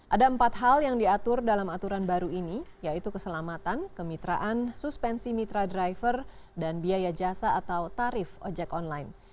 ada empat hal yang diatur dalam aturan baru ini yaitu keselamatan kemitraan suspensi mitra driver dan biaya jasa atau tarif ojek online